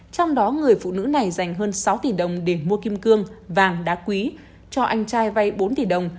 trong đó người phụ nữ này dành hơn sáu tỷ đồng để mua kim cương vàng đá quý cho anh trai vay bốn tỷ đồng